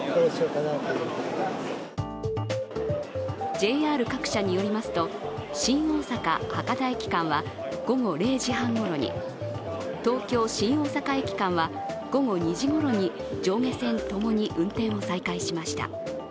ＪＲ各社によりますと、新大阪−博多駅間は午後０時半ごろに、東京−新大阪駅間は午後２時ごろに上下線ともに運転を再開しました。